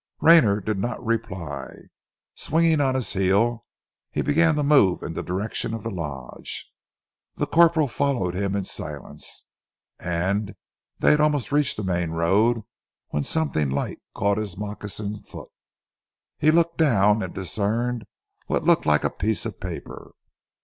Rayner did not reply. Swinging on his heel, he began to move in the direction of the lodge. The corporal followed him in silence, and they had almost reached the main road when something light caught his moccasined foot. He looked down and discerned what looked like a piece of paper.